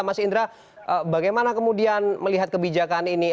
mas indra bagaimana kemudian melihat kebijakan ini